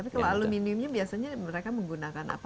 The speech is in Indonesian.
tapi kalau aluminiumnya biasanya mereka menggunakan apa